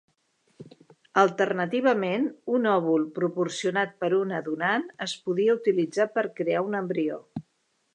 Alternativament, un òvul proporcionat per una donant es podia utilitzar per crear un embrió.